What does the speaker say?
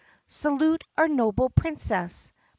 "Salute our noble Princess!